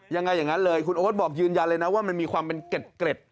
อย่างนั้นเลยคุณโอ๊ตบอกยืนยันเลยนะว่ามันมีความเป็นเกร็ด